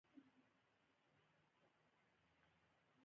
عسکرو فریدګل له موټر څخه راکوز کړ